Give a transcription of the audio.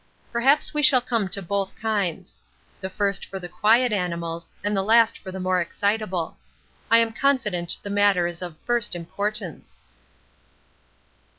Perhaps we shall come to both kinds: the first for the quiet animals and the last for the more excitable. I am confident the matter is of first importance.